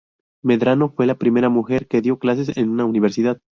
Medrano fue la primera mujer que dio clases en una Universidad.